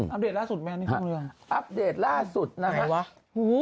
อัปเดตล่าสุดไหมอัปเดตล่าสุดนะครับ